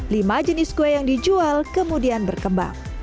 lima jenis kue yang dijual kemudian berkembang